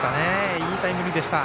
いいタイムリーでした。